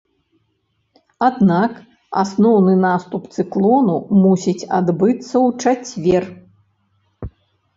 Аднак асноўны наступ цыклону мусіць адбыцца ў чацвер.